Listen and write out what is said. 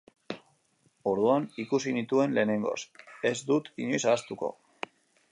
Orduan ikusi nituen lehenengoz, ez dut inoiz ahaztuko.